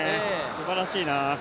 すばらしいな。